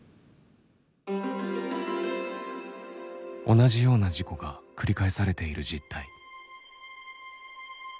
同じような事故が繰り返されている実態。